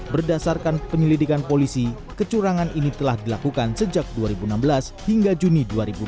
berdasarkan penyelidikan polisi kecurangan ini telah dilakukan sejak dua ribu enam belas hingga juni dua ribu dua puluh